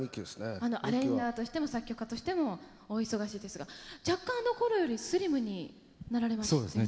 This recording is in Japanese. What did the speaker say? アレンジャーとしても作曲家としてもお忙しいですが若干あのころよりスリムになられましたね。